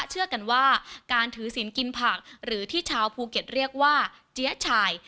เชื่อกันว่าการถือศิลป์กินผักหรือที่ชาวภูเก็ตเรียกว่าเจี๊ยชาย